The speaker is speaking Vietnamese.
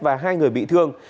và hai người bị thương